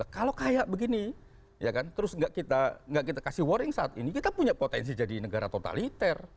kalau kayak begini ya kan terus nggak kita kasih warning saat ini kita punya potensi jadi negara totaliter